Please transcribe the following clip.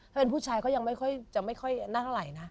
ถ้าเป็นผู้ชายก็ยังไม่ค่อยจะไม่ค่อยนั่งไหล่นะ